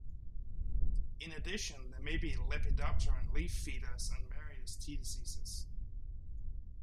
In addition, there may be Lepidopteran leaf feeders and various tea diseases.